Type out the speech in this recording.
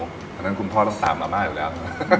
เพราะฉะนั้นคุณพ่อต้องตามอาม่าอยู่แล้ว